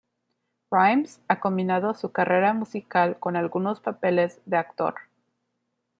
Rhymes ha combinado su carrera musical con algunos papeles de actor.